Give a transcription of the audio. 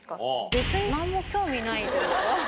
別に何も興味ないというか。